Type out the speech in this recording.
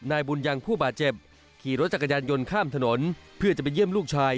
นายบุญยังผู้บาดเจ็บขี่รถจักรยานยนต์ข้ามถนนเพื่อจะไปเยี่ยมลูกชาย